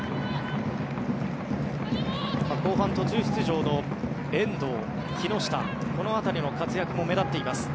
後半途中出場の遠藤、木下この辺りの活躍も目立っています。